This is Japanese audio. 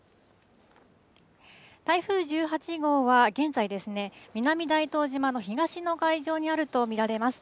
台風１８号は現在、南大東島の東の海上にあると見られます。